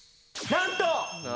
なんと？